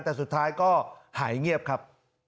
แต่สุดท้ายก็หายเงียบครับ